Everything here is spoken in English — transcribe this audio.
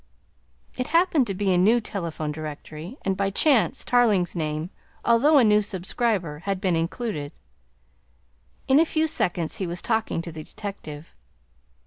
It happened to be a new telephone directory, and by chance Tarling's name, although a new subscriber, had been included. In a few seconds he was talking to the detective.